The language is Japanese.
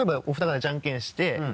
お二方でじゃんけんして。